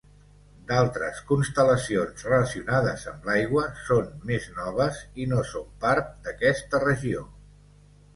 D'altres constel·lacions relacionades amb l'aigua són més noves, i no són part d'aquesta regió.